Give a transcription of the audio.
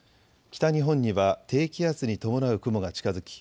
北日本には低気圧に伴う雲が近づき